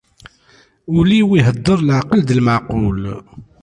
Ul-iw ihedder leɛqel d lmeɛqul.